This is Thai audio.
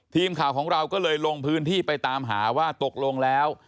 ทีมข่าวของเราก็เลยลงพื้นที่ไปตามหาว่าตกลงแล้ว